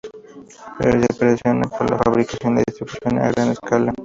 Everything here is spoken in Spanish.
Pero se apasiona por la ""fabricación y la distribución a gran escala"".